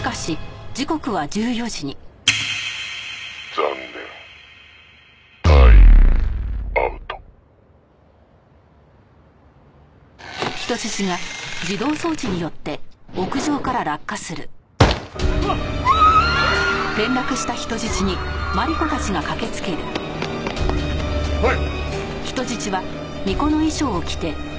「残念。タイムアウト」おい！